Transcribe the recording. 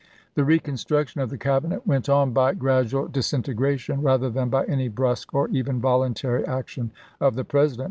The reconstruction of the Cabinet went on by gradual disintegration rather than by any brusque or even voluntary action of the President.